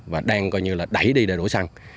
và đang coi như là đẩy đi để đổi xăng